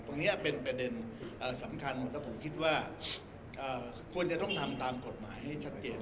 ตรงนี้เป็นประเด็นสำคัญผมคิดว่าควรจะต้องทำตามกฎหมายให้ชัดเจน